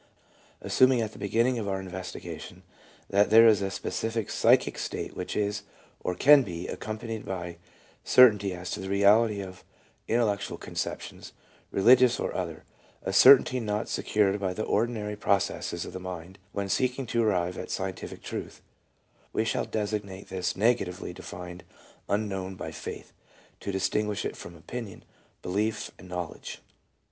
Assuming at the beginning of our investigation that there is a specific psychic state which is, or can be, accompanied by certainty as to the reality of intellectual conceptions, relig ious or other (a certainty not secured by the ordinary pro cesses of the mind when seeking to arrive at scientific truth), we shall designate this negatively defined unknown by " Faith," to distinguish it from opinion, belief and knowl edge.